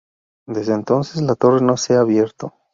Desde entonces la torre no se ha abierto.